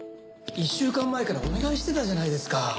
１週間前からお願いしてたじゃないですか。